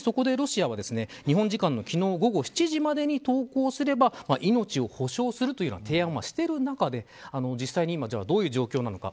さらに、そこでロシアは日本時間の昨日、午後７時までに投降すれば命を保証するという提案はしている中で実際に、今どういう状況なのか。